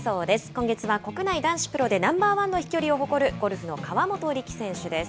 今月は国内男子プロで、ナンバーワンの飛距離を誇る、ゴルフの河本力選手です。